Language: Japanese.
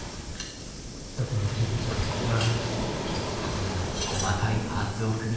このちっちゃいやつな。